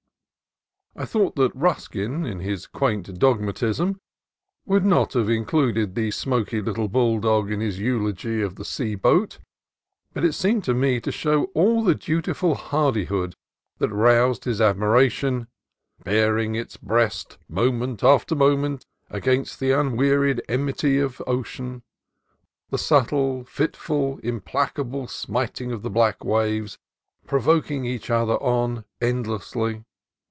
I suppose that Ruskin, in his quaint dogmatism, would not have included the smoky little bull dog in his eulogy of the Sea Boat, but it seemed to me to show all the dutiful hardihood that roused his admiration, "baring its breast, moment after moment, against the un wearied enmity of ocean; the subtle, fitful, implacable smiting of the black waves, provoking each other on endlessly